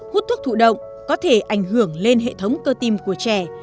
hút thuốc thụ động có thể ảnh hưởng lên hệ thống cơ tim của trẻ